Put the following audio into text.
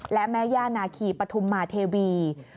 และแม่ย่านาคีปฐุมมาเทวี